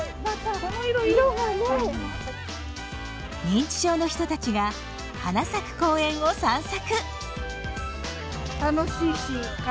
認知症の人たちが花咲く公園を散策。